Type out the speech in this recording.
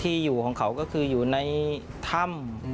ที่อยู่ของเขาก็คืออยู่ในถ้ำ